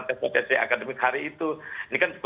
tes potensi akademik hari itu ini kan